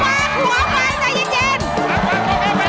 หัวก์ใจเย็น